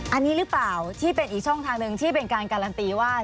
อันนี้หรือเปล่าที่เป็นอีกช่องทางหนึ่งที่เป็นการการันตีว่า